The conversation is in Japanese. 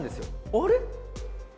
あれ？